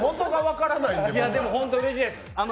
でも本当、うれしいです。